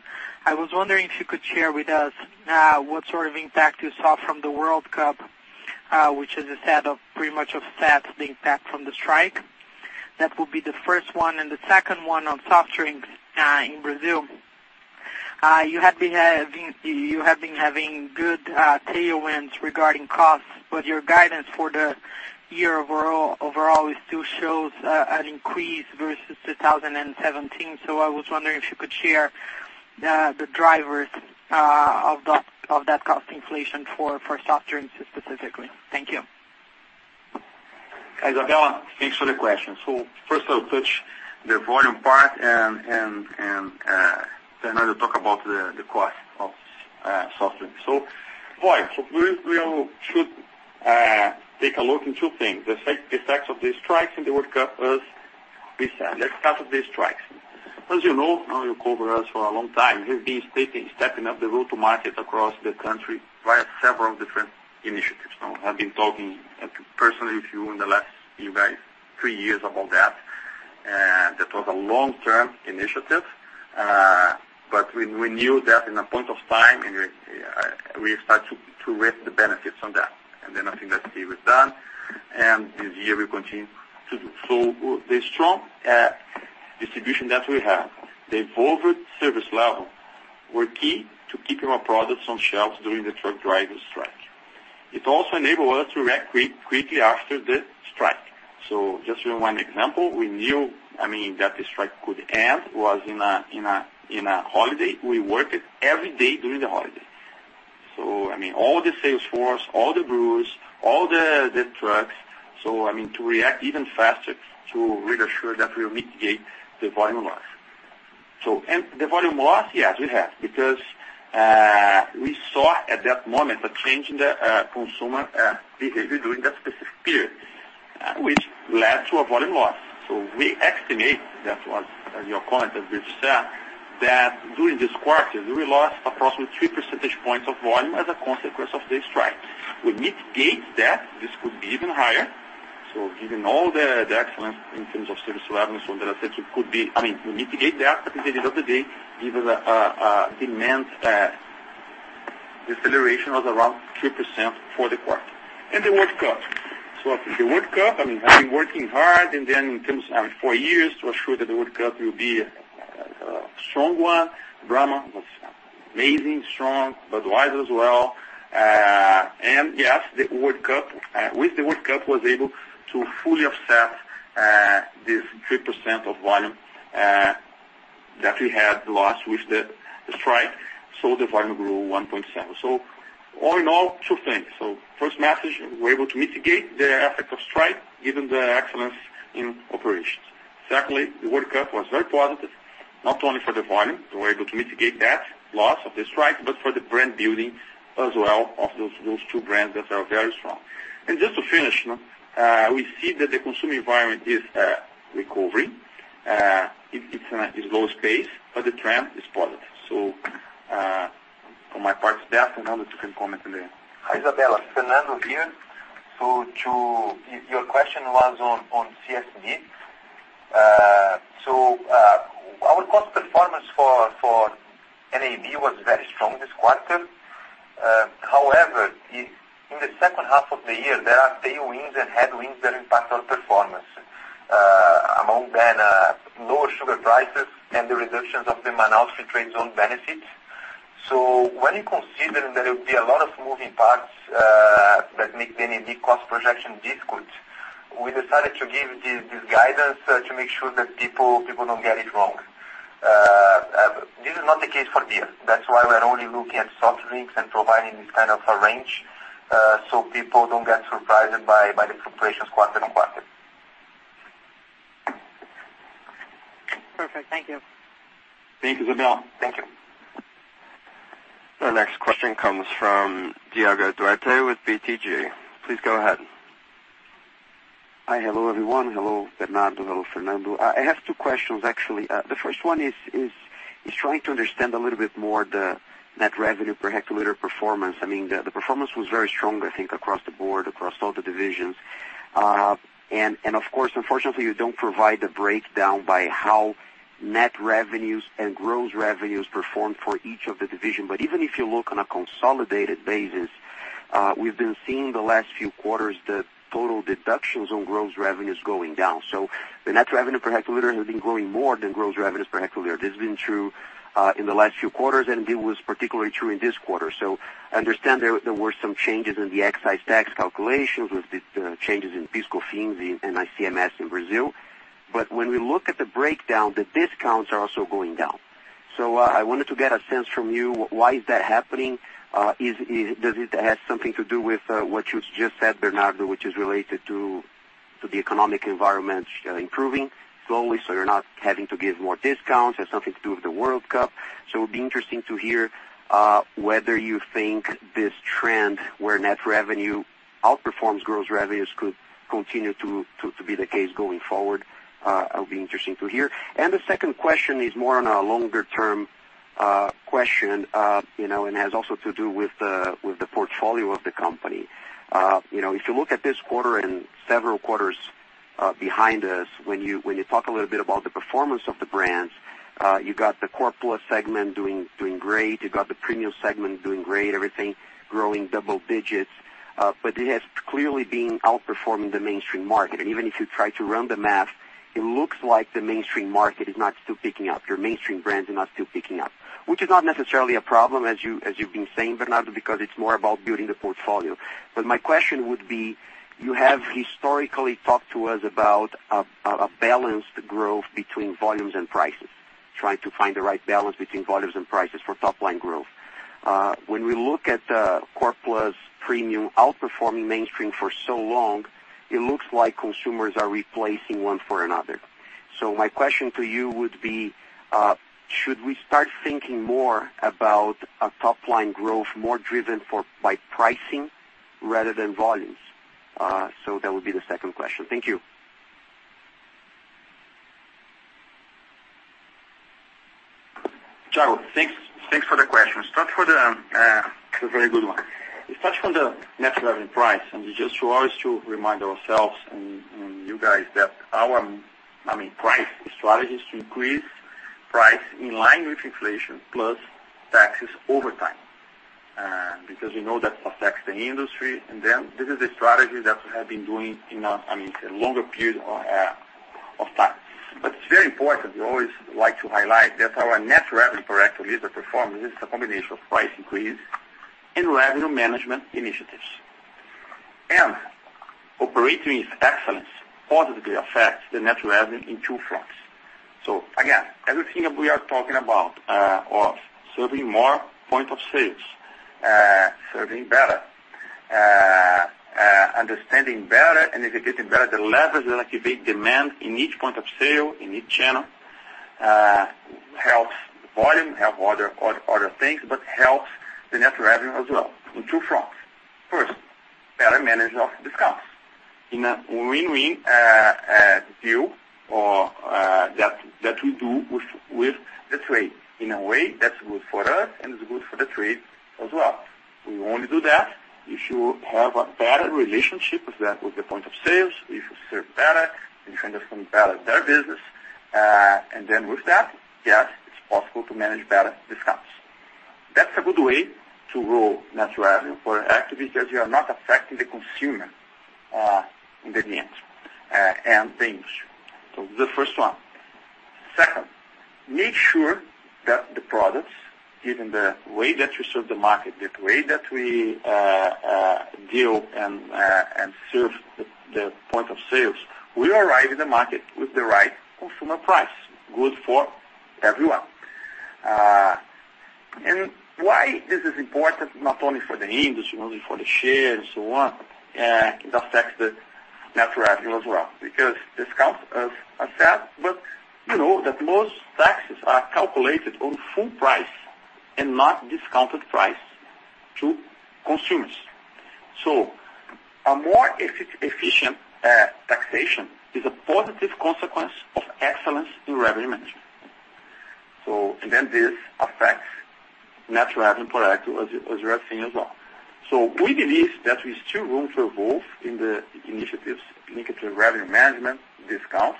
I was wondering if you could share with us what sort of impact you saw from the World Cup, which is set to pretty much offset the impact from the strike. That would be the first one. The second one on soft drinks in Brazil. You have been having good tailwinds regarding costs, but your guidance for the year overall still shows an increase versus 2017. I was wondering if you could share the drivers of that cost inflation for soft drinks specifically. Thank you. Isabella, thanks for the question. First I'll touch the volume part and then I'll talk about the cost of soft drinks. Volume. We all should take a look at two things, the effects of the strikes and the World Cup as we said. Let's start with the strikes. As you know, now you've covered us for a long time, we've been stepping up the go-to-market across the country via several different initiatives. Now I've been talking personally with you guys in the last three years about that. That was a long-term initiative, but we knew that at a point in time, and we start to reap the benefits from that. I think that it was done, and this year we continue to do. The strong distribution that we have, the elevated service level were key to keeping our products on shelves during the truck driver strike. It also enabled us to react quickly after the strike. Just one example, we knew, I mean, that the strike could end was in a holiday. We worked every day during the holiday. I mean, all the sales force, all the brewers, all the trucks. I mean, to react even faster to really assure that we mitigate the volume loss. And the volume loss, yes, we have, because we saw at that moment a change in the consumer behavior during that specific period, which led to a volume loss. We estimate that was your comment, as Brito said, that during this quarter, we lost approximately three percentage points of volume as a consequence of the strike. We estimate that this could be even higher. Given all the excellence in terms of service levels, so that I said it could be, I mean, we estimate that, but at the end of the day, given the demand deceleration of around 3% for the quarter. The World Cup. The World Cup, I mean, we have been working hard for four years to ensure that the World Cup will be a strong one. Brahma was amazing, strong. Budweiser as well. Yes, the World Cup was able to fully offset this 3% of volume that we had lost with the strike. The volume grew 1.7%. All in all, two things. First message, we're able to mitigate the effect of the strike given the excellence in operations. Secondly, the World Cup was very positive, not only for the volume, we're able to mitigate that loss of the strike, but for the brand building as well of those two brands that are very strong. Just to finish, we see that the consumer environment is recovering. It's low pace, but the trend is positive. From my part, that's it, Fernando, you can comment on the- Isabella, Fernando here. Your question was on CSD. Our cost performance for NAB was very strong this quarter. However, in the second half of the year, there are tailwinds and headwinds that impact our performance. Among them are lower sugar prices and the reductions of the Manaus Free Trade Zone benefits. When you consider there will be a lot of moving parts that make the NAB cost projection difficult, we decided to give this guidance to make sure that people don't get it wrong. But this is not the case for beer. That's why we are only looking at soft drinks and providing this kind of a range, so people don't get surprised by the fluctuations quarter on quarter. Perfect. Thank you. Thank you, Isabella. Thank you. The next question comes from Thiago Duarte with BTG. Please go ahead. Hi. Hello, everyone. Hello, Bernardo. Hello, Fernando. I have two questions, actually. The first one is trying to understand a little bit more the net revenue per hectoliter performance. I mean, the performance was very strong, I think, across the board, across all the divisions. Of course, unfortunately, you don't provide the breakdown by how net revenues and gross revenues performed for each of the division. Even if you look on a consolidated basis, we've been seeing the last few quarters the total deductions on gross revenues going down. The net revenue per hectoliter has been growing more than gross revenues per hectoliter. This has been true in the last few quarters, and it was particularly true in this quarter. I understand there were some changes in the excise tax calculations with the changes in PIS/COFINS and ICMS in Brazil. When we look at the breakdown, the discounts are also going down. I wanted to get a sense from you, why is that happening? Does it have something to do with what you just said, Bernardo, which is related to the economic environment improving slowly, so you're not having to give more discounts, has something to do with the World Cup. It'll be interesting to hear whether you think this trend where net revenue outperforms gross revenues could continue to be the case going forward. It'll be interesting to hear. The second question is more on a longer-term question, you know, and has also to do with the portfolio of the company. You know, if you look at this quarter and several quarters behind us, when you talk a little bit about the performance of the brands, you got the core plus segment doing great. You got the premium segment doing great, everything growing double digits. It has clearly been outperforming the mainstream market. Even if you try to run the math, it looks like the mainstream market is not still picking up. Your mainstream brands are not still picking up, which is not necessarily a problem as you've been saying, Bernardo, because it's more about building the portfolio. My question would be, you have historically talked to us about a balanced growth between volumes and prices, trying to find the right balance between volumes and prices for top line growth. When we look at core plus premium outperforming mainstream for so long, it looks like consumers are replacing one for another. My question to you would be, should we start thinking more about a top line growth more driven by pricing rather than volumes? That would be the second question. Thank you. Thiago, thanks for the question. It's a very good one. It starts from the net revenue pricing, and just to always remind ourselves and you guys that our, I mean, price strategy is to increase price in line with inflation plus taxes over time. Because we know that affects the industry, and then this is a strategy that we have been doing in a, I mean, a longer period of time. But it's very important, we always like to highlight that our net revenue per hectoliter performance is a combination of price increase and revenue management initiatives. Operating excellence positively affects the net revenue in two fronts. Again, everything that we are talking about of serving more point of sales, serving better, understanding better and executing better the levers that activate demand in each point of sale, in each channel, helps volume, helps other things, but helps the net revenue as well in two fronts. First, better management of discounts in a win-win deal or that we do with the trade in a way that's good for us and is good for the trade as well. We only do that if you have a better relationship with the point of sales. If you serve better, you can understand better their business. With that, yes, it's possible to manage better discounts. That's a good way to grow net revenue per hecto because you are not affecting the consumer, in the end, and things. The first one. Second, make sure that the products, given the way that we serve the market, the way that we deal and serve the point of sales, we arrive in the market with the right consumer price, good for everyone. Why this is important not only for the industry, not only for the share and so on, it affects the net revenue as well. Because discounts are set, but you know that most taxes are calculated on full price and not discounted price to consumers. A more efficient taxation is a positive consequence of excellence in revenue management. This affects net revenue per hecto as you have seen as well. We believe that there's still room to evolve in the initiatives linked to revenue management discounts.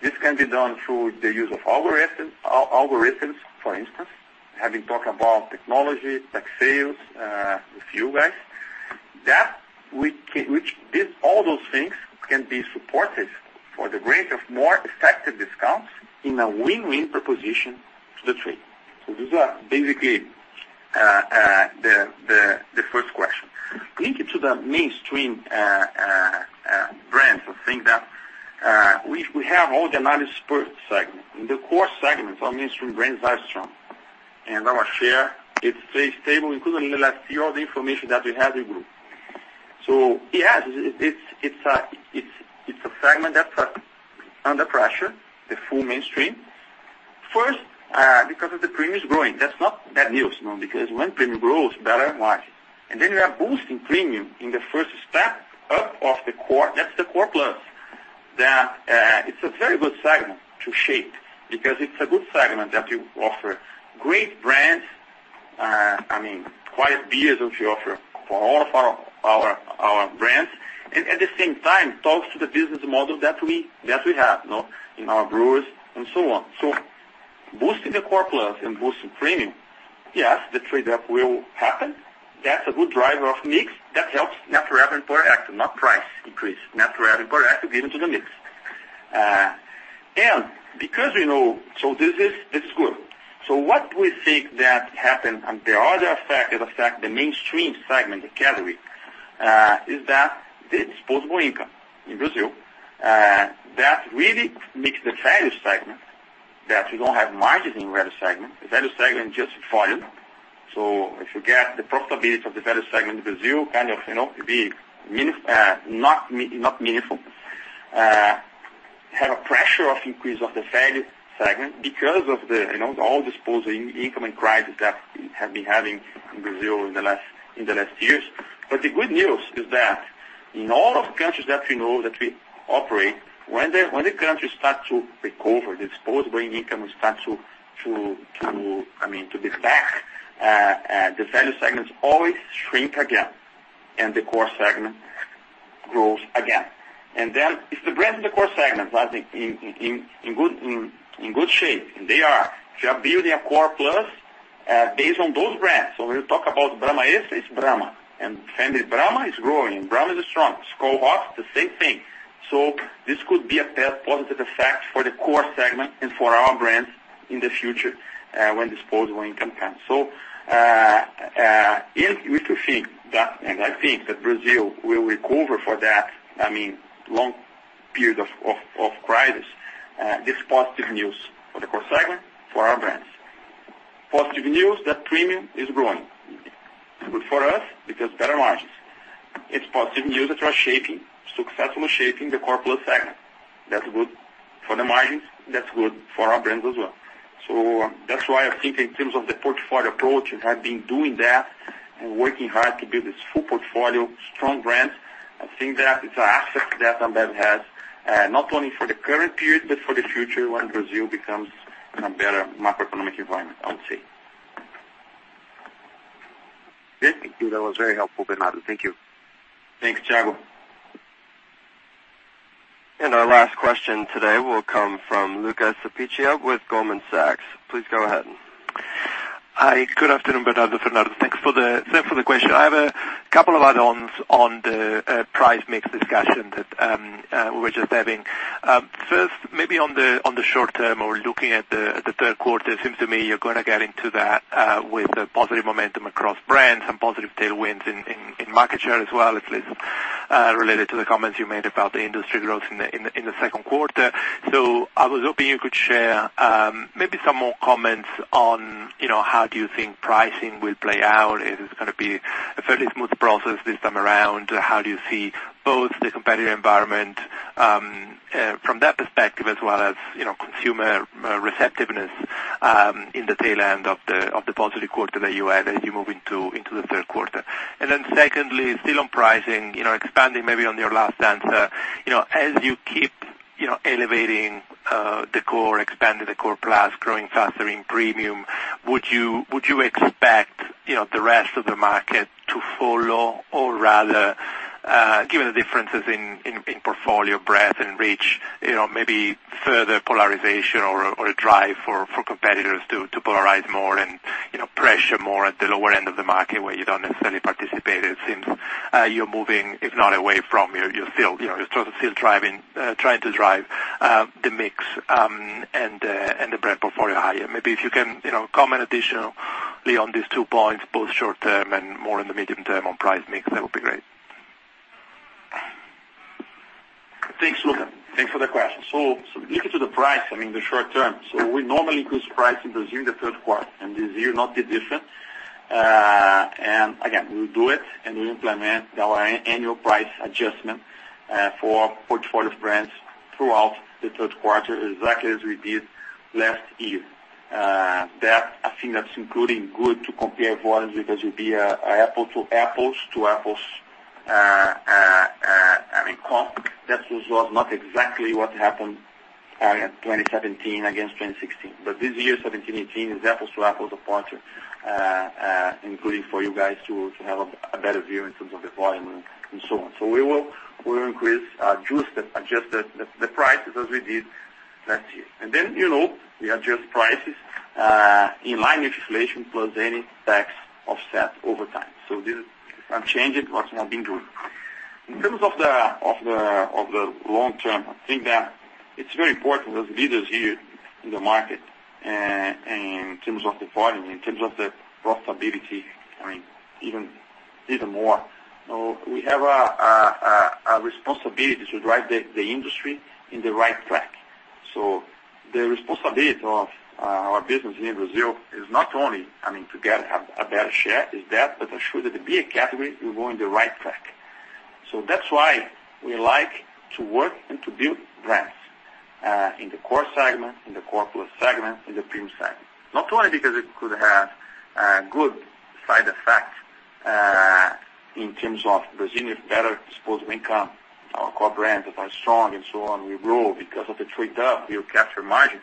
This can be done through the use of algorithms, for instance, having talked about technology, like sales with you guys, all those things can be supported for the grant of more effective discounts in a win-win proposition to the trade. This is basically the first question. Linked to the mainstream brands, I think that we have all the non-super segment. In the core segment, our mainstream brands are strong, and our share is very stable, including in the last year, all the information that we have from Nielsen. Yes, it's a segment that's under pressure, the full mainstream. First, because of the premium is growing. That's not bad news, no, because when premium grows, better margin. Then we are boosting premium in the first step up of the core. That's the core plus. That, it's a very good segment to shape because it's a good segment that you offer great brands, I mean, quality beers that we offer for all of our brands, and at the same time, talks to the business model that we have, you know, in our brewers and so on. Boosting the core plus and boosting premium, yes, the trade-up will happen. That's a good driver of mix. That helps net revenue per hecto, not price increase, net revenue per hecto given to the mix. This is good. What we think that happened, and there are other factors affect the mainstream segment category, is that the disposable income in Brazil that really makes the value segment, that we don't have margins in value segment. The value segment just volume. If you get the profitability of the value segment, Brazil kind of, you know, not meaningful. Have a pressure of increase of the value segment because of the, you know, all disposable income and crisis that we have been having in Brazil in the last years. The good news is that in all of countries that we know that we operate, when the country start to recover, disposable income will start to, I mean, to be back, the value segments always shrink again and the core segment grows again. If the brands in the core segment are in good shape, and they are, if you are building a core plus based on those brands. We'll talk about Brahma. Brahma is growing, and Brahma is strong. Skol has the same thing. This could be a positive effect for the core segment and for our brands in the future, when disposable income comes. If we were to think that, and I think that Brazil will recover from that, I mean, long period of crisis, this positive news for the core segment, for our brands. Positive news that premium is growing. Good for us because better margins. It's positive news that we're successfully shaping the core plus segment. That's good for the margins, that's good for our brands as well. That's why I think in terms of the portfolio approach, we have been doing that and working hard to build this full portfolio, strong brands. I think that it's an asset that Ambev has, not only for the current period, but for the future when Brazil becomes in a better macroeconomic environment, I would say. Thank you. That was very helpful, Bernardo. Thank you. Thanks, Tiago. Our last question today will come from Luca Cipiccia with Goldman Sachs. Please go ahead. Hi. Good afternoon, Bernardo, Fernando. Thanks for the question. I have a couple of add-ons on the price mix discussion that we were just having. First, maybe on the short term or looking at the third quarter, it seems to me you're gonna get into that with a positive momentum across brands and positive tailwinds in market share as well, at least related to the comments you made about the industry growth in the second quarter. I was hoping you could share maybe some more comments on, you know, how do you think pricing will play out? Is this gonna be a fairly smooth process this time around? How do you see both the competitive environment, from that perspective as well as, you know, consumer receptiveness, in the tail end of the positive quarter that you had as you move into the third quarter? Secondly, still on pricing, you know, expanding maybe on your last answer. You know, as you keep, you know, elevating the core, expanding the core plus, growing faster in premium, would you expect, you know, the rest of the market to follow or rather, given the differences in portfolio breadth and reach, you know, maybe further polarization or a drive for competitors to polarize more and, you know, pressure more at the lower end of the market where you don't necessarily participate, it seems you're moving, if not away from, you're still, you know, you're still trying to drive the mix and the brand portfolio higher. Maybe if you can, you know, comment additionally on these two points, both short-term and more in the medium term on price mix, that would be great. Thanks, Luca. Thanks for the question. Looking to the price, I mean, the short term. We normally increase price in Brazil in the third quarter, and this year not be different. And again, we do it and we implement our annual price adjustment for portfolio brands throughout the third quarter, exactly as we did last year. I think that's including good to compare volumes because it'll be apples to apples, I mean, comp. That was well not exactly what happened in 2017 against 2016. This year, 2017, 2018 is apples to apples of quarter, including for you guys to have a better view in terms of the volume and so on. We will adjust the prices as we did last year. You know, we adjust prices in line with inflation plus any tax offset over time. This is unchanging what's been doing. In terms of the long term, I think that it's very important as leaders here in the market in terms of the volume, in terms of the profitability, I mean, even more, so we have a responsibility to drive the industry in the right track. The responsibility of our business here in Brazil is not only, I mean, to get a better share, but ensure that the beer category will go in the right track. That's why we like to work and to build brands in the core segment, in the core plus segment, in the premium segment. Not only because it could have a good side effect in terms of Brazilians' better disposable income, our core brands are strong and so on, we grow because of the trade up, we will capture margins.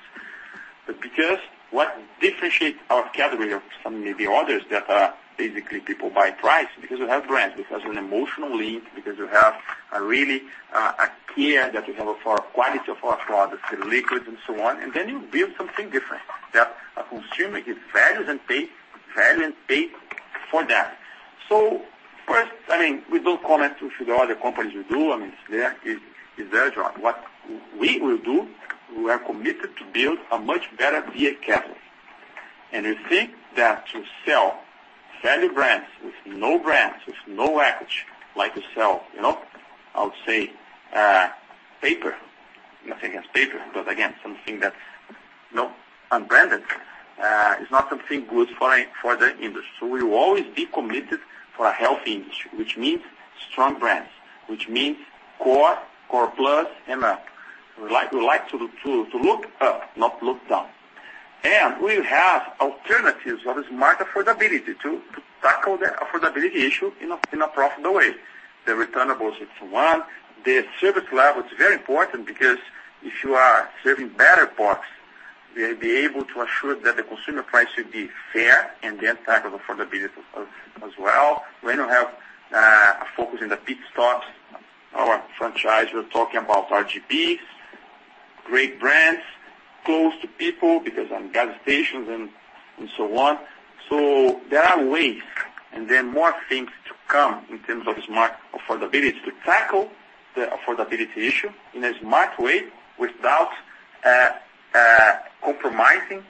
Because what differentiates our category from maybe others that are basically people buy by price because we have brands, because an emotional link, because you have a really a clear that we have for quality of our products, the liquids and so on, and then you build something different that a consumer values and pay for that. First, I mean, we don't comment on the other companies we do. I mean, that's their job. What we will do, we are committed to build a much better beer category. We think that to sell value brands with no brands, with no equity, like to sell, you know, I would say, paper. Nothing against paper, but again, something that's, you know, unbranded, is not something good for the industry. We will always be committed for a healthy industry, which means strong brands, which means core plus, and up. We like to look up, not look down. We have alternatives of a smart affordability to tackle the affordability issue in a profitable way. The returnables is one. The service level is very important because if you are serving better parts, we'll be able to assure that the consumer price should be fair and then tackle affordability as well. We now have a focus in the pit stops. Our franchisor talking about RGBs, great brands, close to people because on gas stations and so on. There are ways and then more things to come in terms of smart affordability to tackle the affordability issue in a smart way without compromising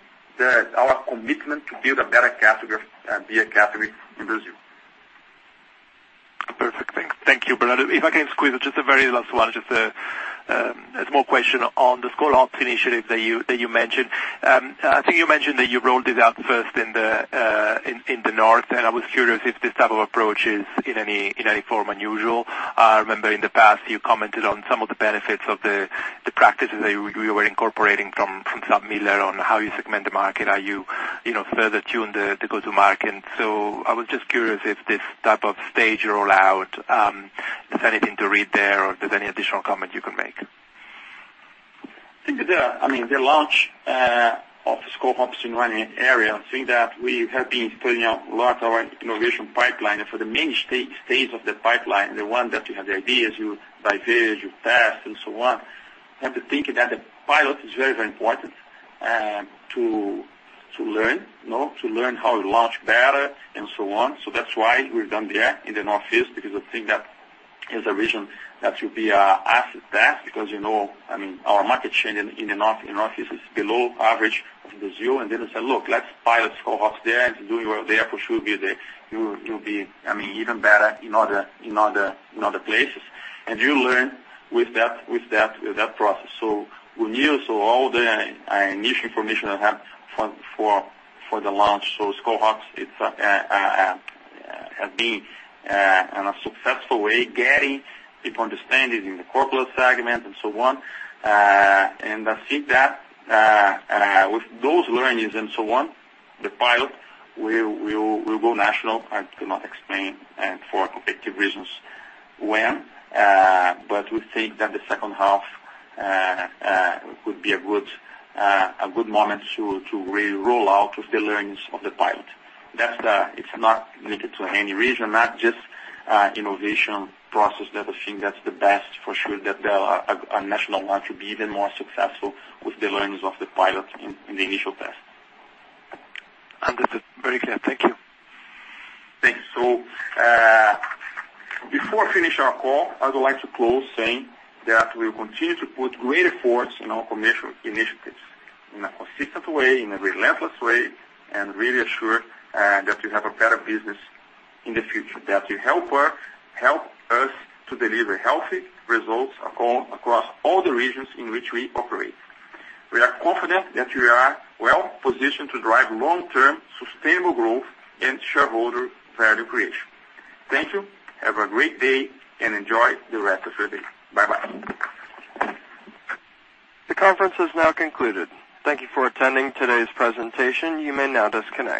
our commitment to build a better category, beer category in Brazil. Perfect. Thanks. Thank you, Bernardo. If I can squeeze just a very last one, just a small question on the Skol Hops initiative that you mentioned. I think you mentioned that you rolled it out first in the North, and I was curious if this type of approach is in any form unusual. I remember in the past you commented on some of the benefits of the practices that you were incorporating from SABMiller on how you segment the market. Are you further tuning the go-to-market? I was just curious if this type of staged rollout, if anything to read there or if there's any additional comment you can make. I think, I mean, the launch of Skol Hops in one area. I think that we have been putting out lots of our innovation pipeline. For the many stages of the pipeline, the one that you have the ideas, you diverge, you test, and so on, you have to think that the pilot is very, very important to learn, you know. To learn how to launch better and so on. That's why we've done there in the Northeast because I think that is a region that will be our best asset because, you know, I mean, our market share in Northeast is below average of Brazil. We said, "Look, let's pilot Skol Hops there, and to do well there for sure you'll be, I mean, even better in other places." You learn with that process. We knew all the initial information I have for the launch. Skol Hops has been in a successful way, getting people understanding in the core plus segment and so on. I think that with those learnings and so on, the pilot, we'll go national. I cannot explain for competitive reasons when, but we think that the second half would be a good moment to re-roll out with the learnings of the pilot. That's the. It's not limited to any region, not just innovation process that I think that's the best for sure, that there are a national launch will be even more successful with the learnings of the pilot in the initial test. Understood. Very clear. Thank you. Thanks. Before I finish our call, I would like to close saying that we will continue to put great efforts in our commercial initiatives in a consistent way, in a relentless way, and really assure that we have a better business in the future. That will help us to deliver healthy results across all the regions in which we operate. We are confident that we are well positioned to drive long-term sustainable growth and shareholder value creation. Thank you. Have a great day, and enjoy the rest of your day. Bye-bye. The conference is now concluded. Thank you for attending today's presentation. You may now disconnect.